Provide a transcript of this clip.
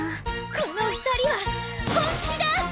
この二人は本気だ！